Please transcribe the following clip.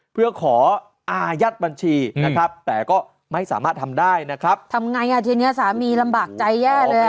เพื่อขออายัดบัญชีนะครับแต่ก็ไม่สามารถทำได้นะครับทำไงอ่ะทีเนี้ยสามีลำบากใจแย่เลยอ่ะ